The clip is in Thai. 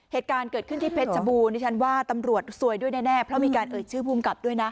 เหตุการณ์เกิดขึ้นที่เพชรชบูรดิฉันว่าตำรวจซวยด้วยแน่เพราะมีการเอ่ยชื่อภูมิกับด้วยนะ